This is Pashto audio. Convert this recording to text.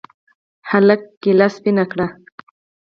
هلك کېله سپينه کړه.